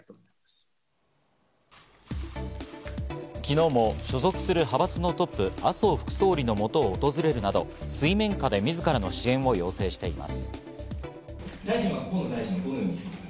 昨日も所属する派閥のトップ、麻生副総理のもとを訪れるなど、水面下で自らの支援を要請しています。